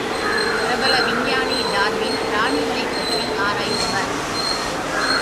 பிரபல விஞ்ஞானி டார்வின் பிராணிகளைப் பற்றி ஆராய்ந்தவர்.